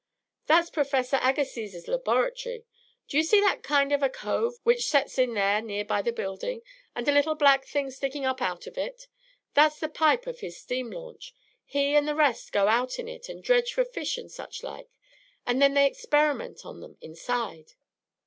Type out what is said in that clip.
"That's Professor Agassiz's laboratory. Do y' see that kind of a cove which sets in there near by the building, and a little black thing sticking up out of it? That's the pipe of his steam launch. He and the rest go out in it and dredge for fish and such like, and then they experiment on them inside."